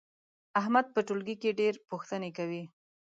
احمد په ټولګي کې ډېر پوښتنې کوي.